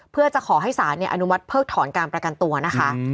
เพื่อจะขอให้ศาสตร์เปิดถอนการรางการตัวนะคะ